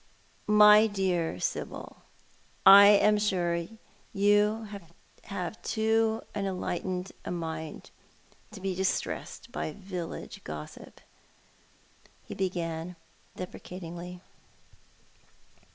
" My dear Sibyl, I am sure you have too enlightened a mind to be distressed by village gossip," he began, deprecatingly.